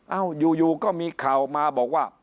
อยู่ก็มีข่าวมาบอกว่า